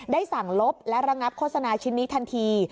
สั่งลบและระงับโฆษณาชิ้นนี้ทันที